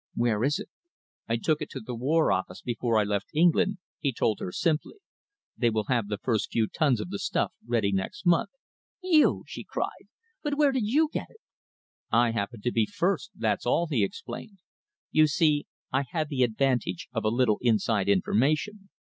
Where is it?" "I took it to the War Office before I left England," he told her simply. "They will have the first few tons of the stuff ready next month." "You!" she cried, "But where did you get it?" "I happened to be first, that's all," he explained. "You see, I had the advantage of a little inside information.